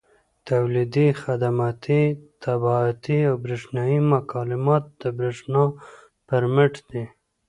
تولیدي، خدماتي، طباعتي او برېښنایي مکالمات د برېښنا پر مټ دي.